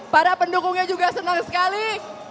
para pendukungnya juga senang sekali